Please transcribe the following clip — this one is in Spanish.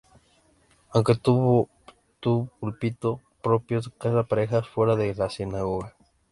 Aunque nunca tuvo un púlpito propio, casa parejas fuera de la sinagoga.